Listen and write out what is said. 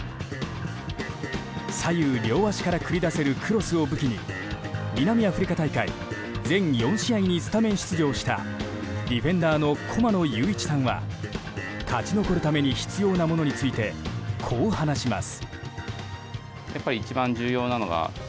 左右両足から繰り出せるクロスを武器に南アフリカ大会全４試合にスタメン出場したディフェンダーの駒野友一さんは勝ち残るために必要なものについてこう話します。